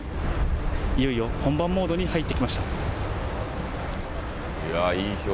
いよいよ本番モードに入ってきました。